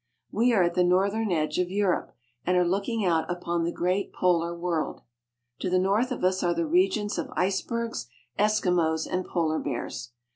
We are at the northern edge of Europe, and are looking out upon the great polar world. To the north of us are the regions of icebergs, Eskimos, and polar bears.